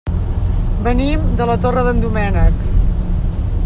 Venim de la Torre d'en Doménec.